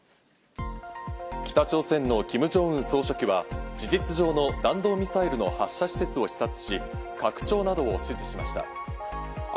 北朝鮮のキム・ジョンウン総書記は事実上の弾道ミサイルの発射施設を視察し、拡張などを指示しました。